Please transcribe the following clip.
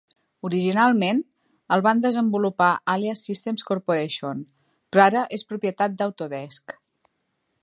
Originalment, el va desenvolupar Alias Systems Corporation, però ara és propietat d'Autodesk.